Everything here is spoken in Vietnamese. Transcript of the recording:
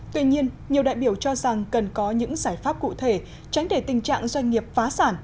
tuy nhiên nhiều đại biểu cho rằng cần có những giải pháp cụ thể tránh để tình trạng doanh nghiệp phá sản